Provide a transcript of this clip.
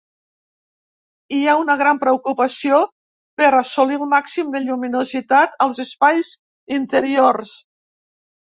Hi ha una gran preocupació per assolir el màxim de lluminositat als espais interiors.